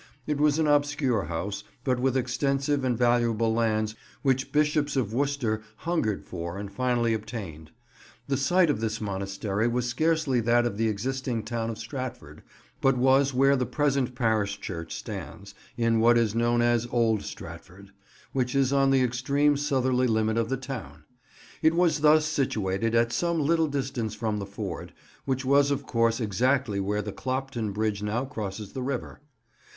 It was an obscure house, but with extensive and valuable lands which Bishops of Worcester hungered for and finally obtained. The site of this monastery was scarcely that of the existing town of Stratford, but was where the present parish church stands, in what is known as "Old Stratford," which is on the extreme southerly limit of the town. It was thus situated at some little distance from the ford, which was of course exactly where the Clopton Bridge now crosses the river.